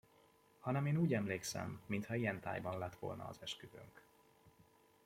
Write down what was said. Hanem én úgy emlékszem, mintha ilyentájban lett volna az esküvőnk.